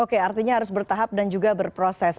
oke artinya harus bertahap dan juga berproses